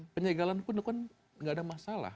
penyegalan pun itu kan gak ada masalah